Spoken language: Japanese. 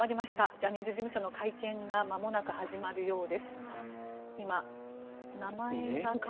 ジャニーズ事務所の会見がまもなく始まるようです。